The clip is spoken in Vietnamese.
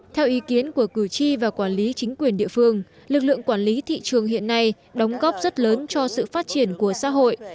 theo ý kiến của cử tri và quản lý chính quyền địa phương lực lượng quản lý thị trường hiện nay đóng góp rất lớn cho sự phát triển của xã hội